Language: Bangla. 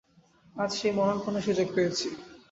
আজ সেই মরণপণের সুযোগ পেয়েছি।